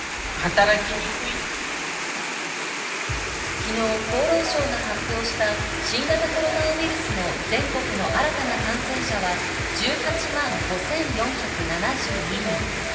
昨日、厚労省が発表した新型コロナウイルスの全国の新たな感染者は１８万５４７２人。